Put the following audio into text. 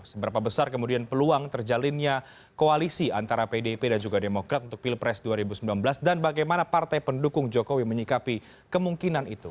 seberapa besar kemudian peluang terjalinnya koalisi antara pdip dan juga demokrat untuk pilpres dua ribu sembilan belas dan bagaimana partai pendukung jokowi menyikapi kemungkinan itu